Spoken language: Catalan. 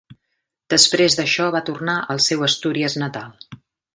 Després d'això va tornar al seu Astúries natal.